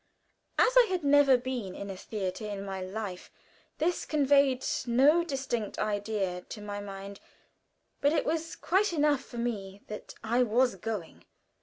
As I had never been in a theater in my life, this conveyed no distinct idea to my mind, but it was quite enough for me that I was going.